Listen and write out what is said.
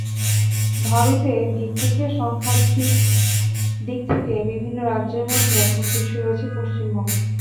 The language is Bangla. ভারতে ভিক্ষুকের সংখ্যার দিক থেকে বিভিন্ন রাজ্যের মধ্যে এখন শীর্ষে রয়েছে পশ্চিমবঙ্গ।